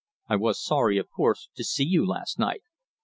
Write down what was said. "I was sorry, of course, to see you last night.